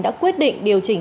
đã quyết định điều chỉnh